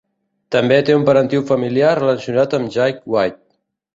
També té un parentiu familiar relacionat amb Jack White.